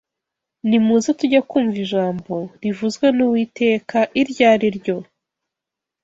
Nimuze tujye kumva ijambo rivuzwe n’Uwiteka iryo ari ryo